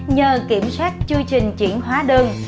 nhờ kiểm soát chư trình chuyển hóa đường